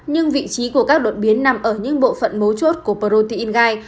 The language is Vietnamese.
nhưng vị trí của các đột biến nằm ở những bộ phận mấu chốt của protein gai